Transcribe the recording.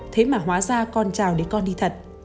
thế mà hóa ra con trào để con đi thật